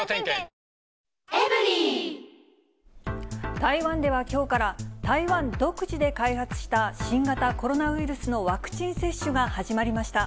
台湾ではきょうから、台湾独自で開発した新型コロナウイルスのワクチン接種が始まりました。